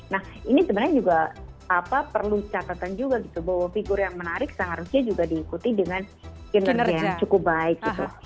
nah ini sebenarnya juga perlu catatan juga gitu bahwa figur yang menarik seharusnya juga diikuti dengan kinerja yang cukup baik gitu